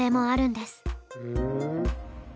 ふん。